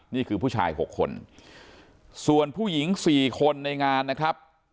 นี่คือผู้ชาย๖คนส่วนผู้หญิง๔คนในงานนะครับ